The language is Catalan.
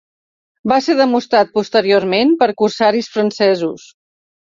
Va ser demostrat posteriorment per corsaris francesos.